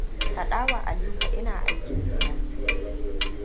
Fadawa Alikoa ina aikin gida.